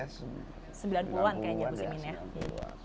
sembilan puluh an kayaknya gus imin ya